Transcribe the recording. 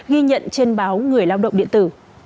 ghi nhận trên báo người lao động điện tử